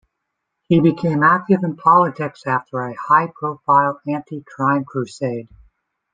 He became active in politics after a high-profile anti-crime crusade.